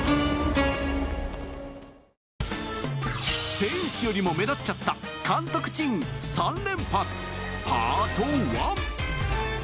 選手よりも目立っちゃった監督珍３３連発Ｐａｒｔ１。